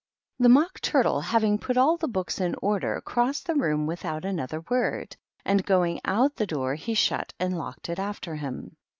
The Mock Turtle, having put all the books in order, crossed the room without another word, and, going out the door, he shut and locked it after him.